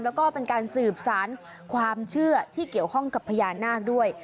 แล้วก็เป็นการสืบสารความเชื่อที่เกี่ยวข้องกับพญานาคด้วย